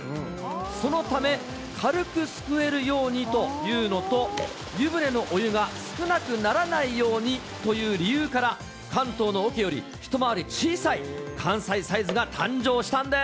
そのため、軽くすくえるようにというのと、湯船のお湯が少なくならないようにという理由から、関東のおけより一回り小さい関西サイズが誕生したんです。